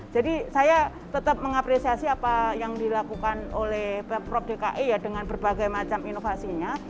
jadi saya tetap mengapresiasi apa yang dilakukan oleh prop dki ya dengan berbagai macam inovasinya